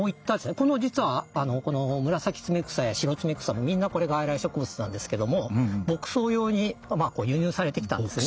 実はこのムラサキツメクサやシロツメクサもみんなこれ外来植物なんですけども牧草用に輸入されてきたんですね。